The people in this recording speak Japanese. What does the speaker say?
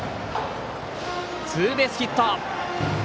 ツーベースヒット。